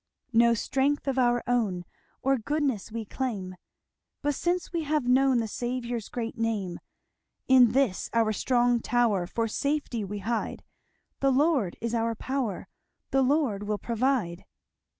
"No strength of our own, Or goodness we claim; But since we have known The Saviour's great name In this, our strong tower, For safety we hide; The Lord is our power! 'The Lord will provide.'